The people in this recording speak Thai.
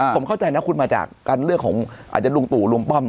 ผมเข้าใจนะคุณมาจากการเลือกของอาจจะลุงตู่ลุงป้อม